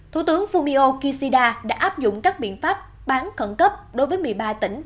thủ tướng fumio kishida đã áp dụng các biện pháp bán khẩn cấp đối với một mươi ba tỉnh